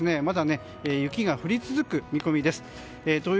まだ雪が降り続く見込みです。